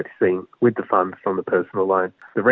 dengan pinjaman pribadi utama